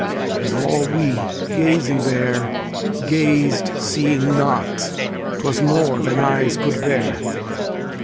And all we, gazing there, Gazed seeing not; 'twas more than eyes could bear.